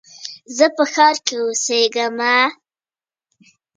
آب وهوا د افغانستان د بشري فرهنګ برخه ده.